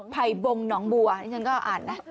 ภัยบงหนองบัวที่ฉันก็อ่านนะ